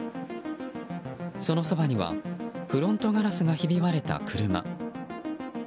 そのそばにはフロントガラスがひび割れた車。